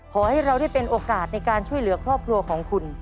ขอให้เราได้เป็นโอกาสในการช่วยเหลือครอบครัวของคุณ